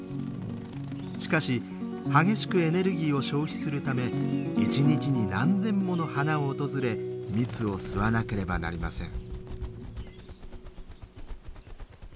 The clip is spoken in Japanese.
しかし激しくエネルギーを消費するため一日に何千もの花を訪れ蜜を吸わなければなりません。